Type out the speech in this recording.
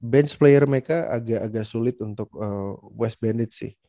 bench player mereka agak agak sulit untuk west bandit sih